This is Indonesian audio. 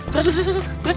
terus terus terus